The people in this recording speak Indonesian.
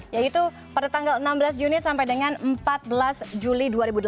yaitu pada tanggal enam belas juni sampai dengan empat belas juli dua ribu delapan belas